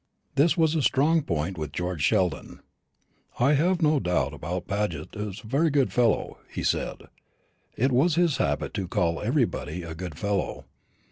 This was a strong point with George Sheldon. "I have no doubt Paget's a very good fellow," he said. (It was his habit to call everybody a good fellow.